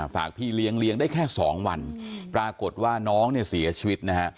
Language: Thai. ฝากพี่เลี้ยงเลี้ยงได้แค่๒วันปรากฏว่าน้องเนี่ยเสียชีวิตนะฮะ